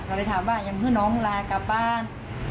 ก็เลยถามว่ายังเพื่อน้องลากลับบ้าน